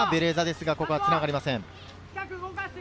ただここはつながりません。